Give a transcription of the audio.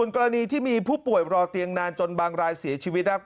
กรณีที่มีผู้ป่วยรอเตียงนานจนบางรายเสียชีวิต